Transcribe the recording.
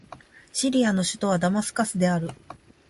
シリアの首都はダマスカスである